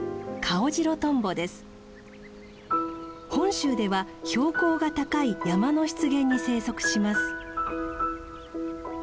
本州では標高が高い山の湿原に生息します。